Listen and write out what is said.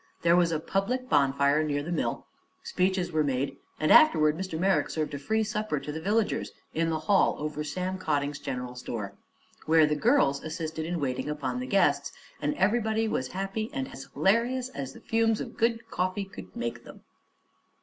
There was a public bonfire near the mill, speeches were made, and afterward Mr. Merrick served a free supper to the villagers, in the hall over Sam Cotting's General Store, where the girls assisted in waiting upon the guests, and everybody was happy and as hilarious as the fumes of good coffee could make them.